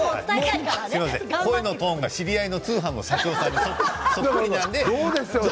声のトーンが知り合いの通販の社長さんにそっくりなんで。